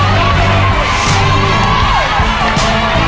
เดี๋ยวสั่งให้จังเย็บกันครับ